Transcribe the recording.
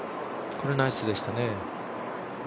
これ、ナイスでしたね。